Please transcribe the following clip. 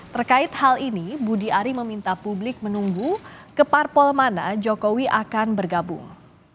terkait hal ini budi ari meminta publik menunggu ke parpol mana jokowi akan bergabung